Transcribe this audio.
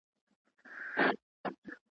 له هر ځایه یې مړۍ په خوله کوله.